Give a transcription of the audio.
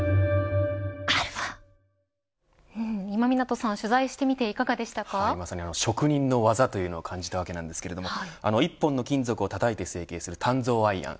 今湊さん取材してみてまさに職人の技というのを感じたわけなんですが１本の金属をたたいて整形する鍛造アイアン。